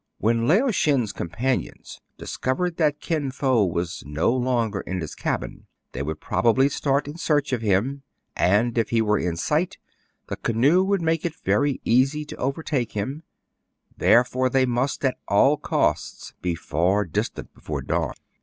When Lao Shen's companions dis DOES NOT FINISH WELL FOR CAPT. YIN. 221 covered that Kin Fo was no longer in his cabin, they would probably start in search of him ; and, if he were in sight, the canoe would make it very easy to overtake him : therefore they must, at all costs, be far distant before dawn.